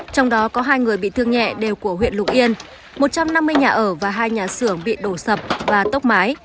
trong đó có hai người bị thương nhẹ đều của huyện lục yên một trăm năm mươi nhà ở và hai nhà xưởng bị đổ sập và tốc mái